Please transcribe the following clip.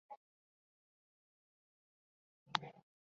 古泥在北燕天王冯跋属下任单于右辅。